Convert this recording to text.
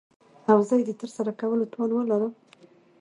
او زه يې دترسره کولو توان وه لرم .